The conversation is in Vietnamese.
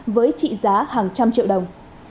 với trị giá hàng trăm triệu đồng